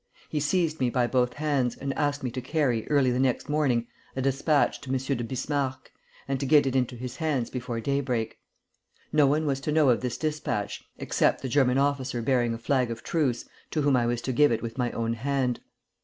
He seized me by both hands, and asked me to carry, early the next morning, a despatch to M. de Bismarck, and to get it into his hands before daybreak. No one was to know of this despatch except the German officer bearing a flag of truce, to whom I was to give it with my own hand.